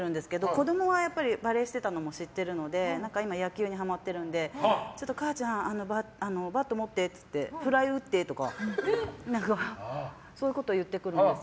子供はバレーしてたのも知ってるので今、野球にはまってるのでちょっと母ちゃんバット持ってって言ってフライ打ってとかそういうこと言ってくるんです。